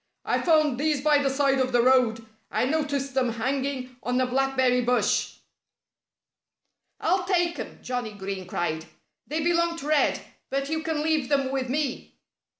"I found these by the side of the road. I noticed them hanging on a blackberry bush." "I'll take 'em!" Johnnie Green cried. "They belong to Red. But you can leave them with me."